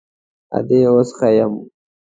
_ادې، اوس ښه يم.